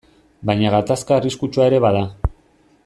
Baina gatazka arriskutsua ere bada.